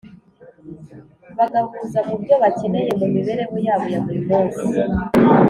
Bagahuza mu byo bakeneye mu mibereho yabo ya buri munsi.